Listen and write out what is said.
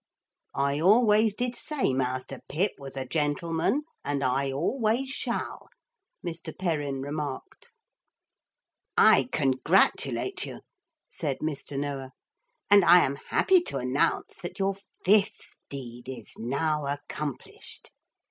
'I always did say Master Pip was a gentleman, and I always shall,' Mr. Perrin remarked. 'I congratulate you,' said Mr. Noah, 'and I am happy to announce that your fifth deed is now accomplished.